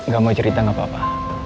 gak mau cerita gak apa apa